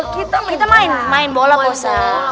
kita main main bola pak ustadz